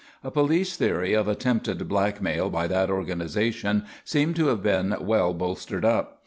A police theory of attempted blackmail by that organisation seemed to have been well bolstered up.